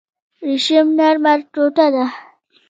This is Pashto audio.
ریشم نرمه ټوټه ده